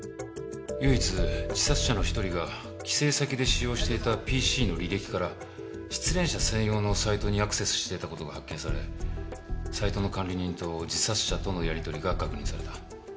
唯一自殺者の一人が帰省先で使用していたＰＣの履歴から失恋者専用のサイトにアクセスしていた事が発見されサイトの管理人と自殺者とのやりとりが確認された。